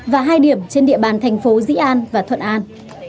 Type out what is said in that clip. và hai điểm trên địa bàn thành phố dĩ an và thuận an